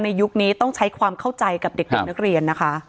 ยุคนี้ต้องใช้ความเข้าใจกับเด็กนักเรียนนะคะ